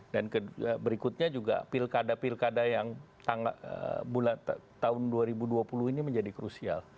dan berikutnya juga pilkada pilkada yang tahun dua ribu dua puluh ini menjadi krusial